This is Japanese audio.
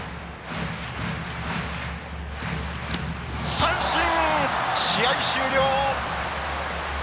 三振、試合終了。